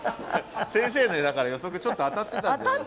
先生のだから予測ちょっと当たってたんじゃないですか。